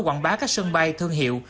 quảng bá các sân bay thương hiệu